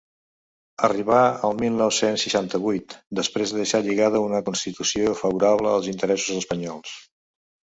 Arribà el mil nou-cents seixanta-vuit després de deixar lligada una constitució favorable als interessos espanyols.